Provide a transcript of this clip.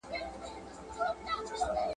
سوځول مي خلوتونه هغه نه یم !.